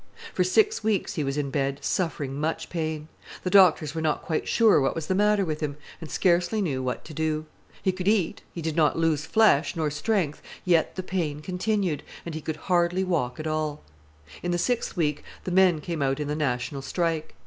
For six weeks he was in bed, suffering much pain. The doctors were not quite sure what was the matter with him, and scarcely knew what to do. He could eat, he did not lose flesh, nor strength, yet the pain continued, and he could hardly walk at all. In the sixth week the men came out in the national strike.